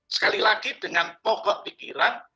sekali lagi dengan pokok pikiran